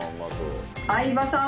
相葉さん。